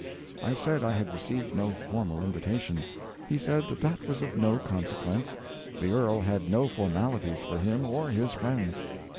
I said I had received no formal invitation. He said that that was of no consequence, the Earl had no formalities for him or his friends.